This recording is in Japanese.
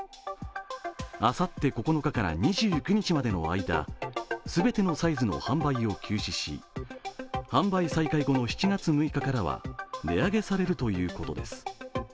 あさって９日から２９日までの間全てのサイズの販売を休止し販売再開後の７月６日からは値上げされるということです。